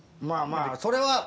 まぁまぁそれは。